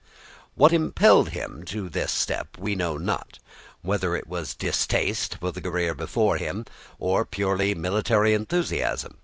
What impelled him to this step we know not, whether it was distaste for the career before him, or purely military enthusiasm.